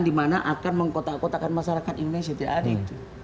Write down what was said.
dimana akan mengkotak kotakan masyarakat indonesia tidak ada itu